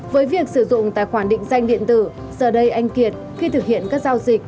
với việc sử dụng tài khoản định danh điện tử giờ đây anh kiệt khi thực hiện các giao dịch